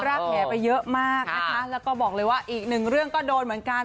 รากแผลไปเยอะมากนะคะแล้วก็บอกเลยว่าอีกหนึ่งเรื่องก็โดนเหมือนกัน